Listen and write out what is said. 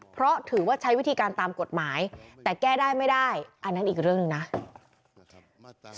เพราะถือว่าใช้วิธีการตามกฎหมายแต่แก้ได้ไม่ได้อันนั้นอีกเรื่องหนึ่งนะ